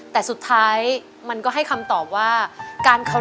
ภูมิใจมาก